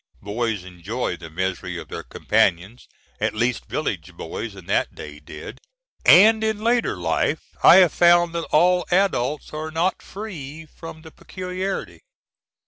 Boys enjoy the misery of their companions, at least village boys in that day did, and in later life I have found that all adults are not free from the peculiarity.